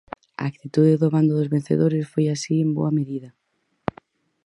A actitude do bando dos vencedores foi así en boa medida.